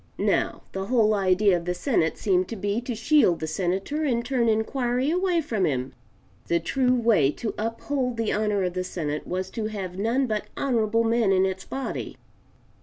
Now the whole idea of the Senate seemed to be to shield the Senator and turn inquiry away from him. The true way to uphold the honor of the Senate was to have none but honorable men in its body.